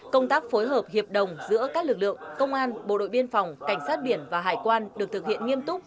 công tác phối hợp hiệp đồng giữa các lực lượng công an bộ đội biên phòng cảnh sát biển và hải quan được thực hiện nghiêm túc